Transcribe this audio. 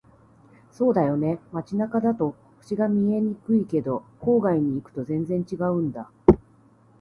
そうだよね。街中だと星が見えにくいけど、郊外に行くと全然違うんだ。